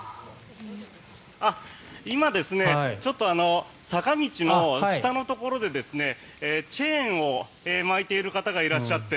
今、坂道の下のところでチェーンを巻いている方がいらっしゃって